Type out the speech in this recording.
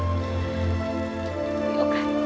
よかった。